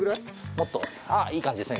もっとああいい感じですね。